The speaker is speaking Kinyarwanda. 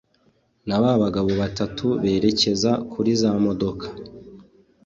nababagabo batatu berekeza kuri za modoka